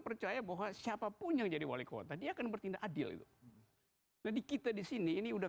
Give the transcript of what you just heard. percaya bahwa siapapun yang jadi wali kota dia akan bertindak adil itu jadi kita disini ini udah